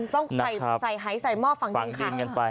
ต้องใส่ไฮใส่หม้อฟังจริงค่ะ